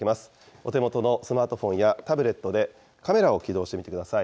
お手元のスマートフォンやタブレットで、カメラを起動してみてください。